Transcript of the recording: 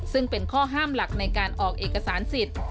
ซึ่งเป็นข้อห้ามหลักในการออกเอกสารสิทธิ์